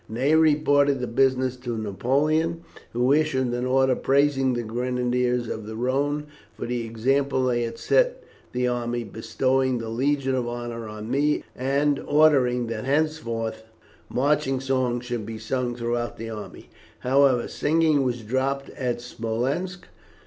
Ney reported the business to Napoleon, who issued an order praising the Grenadiers of the Rhone for the example they had set the army, bestowing the Legion of Honour on me, and ordering that henceforth marching songs should be sung throughout the army. However, singing was dropped at Smolensk.